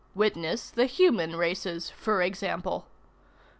Witness the human races, for instance.